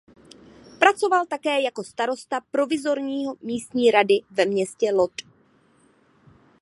Pracoval také jako starosta provizorní místní rady ve městě Lod.